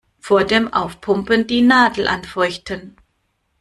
Vor dem Aufpumpen die Nadel anfeuchten.